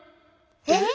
えっ？